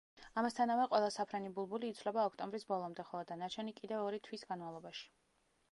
ამასთანავე, ყველა საფრენი ბულბული იცვლება ოქტომბრის ბოლომდე, ხოლო დანარჩენი კიდევ ორი თვის განმავლობაში.